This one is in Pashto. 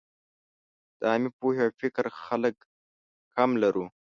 د عامې پوهې او فکر خلک کم لرو.